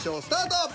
スタート！